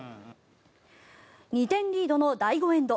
２点リードの第５エンド